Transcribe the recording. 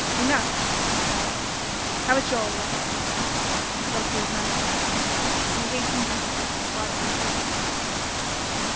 "Enough!" he cried. "Have your way." He spoke to his men in Italian, and they hastened through the tunnel, glad to escape.